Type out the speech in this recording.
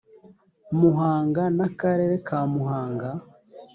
muhanga n akarere ka muhanga